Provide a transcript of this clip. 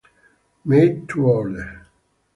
Maid to Order